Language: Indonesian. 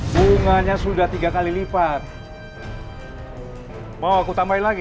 bunganya sudah tiga kali lipat mau aku tambahin lagi